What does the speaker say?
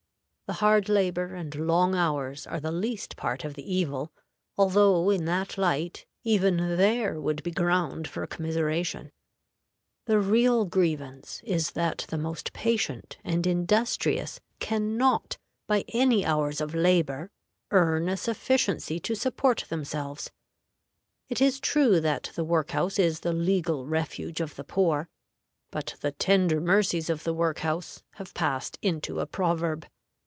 The hard labor and long hours are the least part of the evil, although in that light even there would be ground for commiseration. The real grievance is that the most patient and industrious can not, by any hours of labor, earn a sufficiency to support themselves. It is true that the work house is the legal refuge of the poor; but the tender mercies of the work house have passed into a proverb.